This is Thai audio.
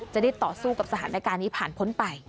จะได้ต่อสู้กับสถานการณ์นี้ผ่านพ้นไป